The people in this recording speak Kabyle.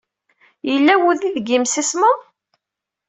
Yella wudi deg yemsismeḍ?